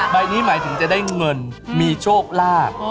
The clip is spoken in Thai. ใบนี้หมายถึงจะได้เงินมีโชคลาภ